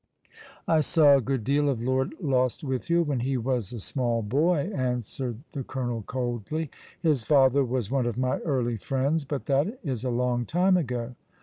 I saw a good deal of Lord Lostwithiel when ho was a small boy," answered the colonel, coldly. " His father was one of my early friends. But that is a long time ago.'